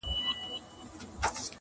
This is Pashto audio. يو نغمه ګره نقاسي کومه ښه کوومه